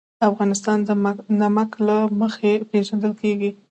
افغانستان د نمک له مخې پېژندل کېږي.